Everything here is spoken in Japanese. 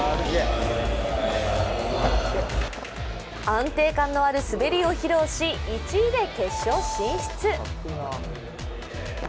安定感のある滑りを披露し１位で決勝進出。